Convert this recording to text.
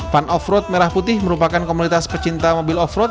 pan offroad merah putih merupakan komunitas pecinta mobil offroad